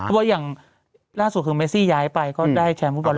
เพราะว่าอย่างล่าสุดคือเมซี่ย้ายไปก็ได้แชมป์ฟุตบอล